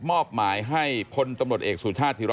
มอบหมายให้คนตำรวจเอกสุทธาธิรัฐสวรรค์